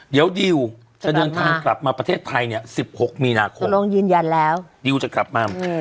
เดี๋ยวดิวจะเดินทางกลับมาประเทศไทยเนี่ย๑๖มีนาคมคุณลุงยืนยันแล้วดิวจะกลับมา